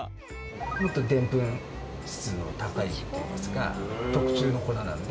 もっとでんぷん質の高いって言いますか特注の粉なんで。